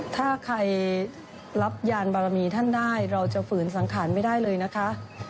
ถ้าใครรับยานบารมีท่านได้เราจะฝืนสังขารไม่ได้เลยนะคะ